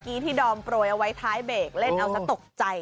เมื่อกี้ที่ดอมโปรยเอาไว้ท้ายเบคเล่นเอาสักตกใจ